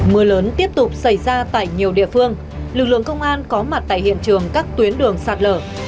mưa lớn tiếp tục xảy ra tại nhiều địa phương lực lượng công an có mặt tại hiện trường các tuyến đường sạt lở